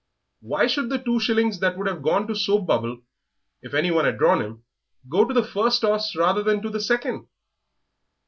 "Why should the two shillings that would have gone to Soap bubble, if anyone 'ad drawn 'im, go to the first 'orse rather than to the second?"